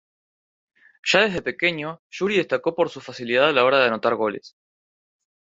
Ya desde pequeño, Yuri destacó por su facilidad a la hora de anotar goles.